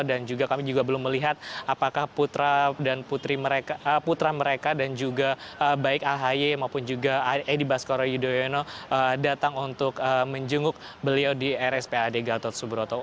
dan juga kami juga belum melihat apakah putra mereka dan juga baik ahi maupun juga edi baskoro yudhoyono datang untuk menjenguk beliau di rspad gautot subroto